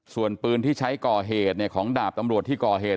ส่วนปลืนที่ใช้ก่อเหตุพี่คลั่งของดาบที่ก่อเหตุ